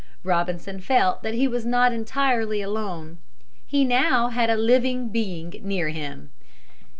Robinson felt that he was not entirely alone. He had now a living being near him.